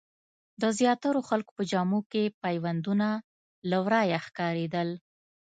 د زیاترو خلکو په جامو کې پیوندونه له ورايه ښکارېدل.